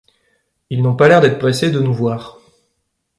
Ils n'ont pas l'air d’être pressés de nous voir.